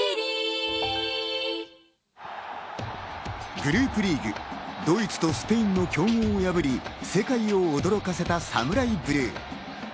グループリーグ、ドイツとスペインの強豪を破り、世界を驚かせたＳＡＭＵＲＡＩＢＬＵＥ。